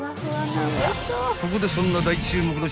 ［ここでそんな大注目の新商品］